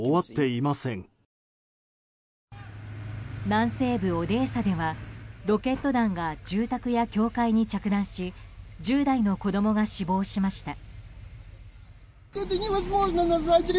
南西部オデーサではロケット弾が住宅や教会に着弾し１０代の子供が死亡しました。